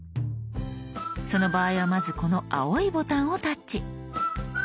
その場合はまずこの青いボタンをタッチ。